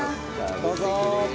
どうぞ！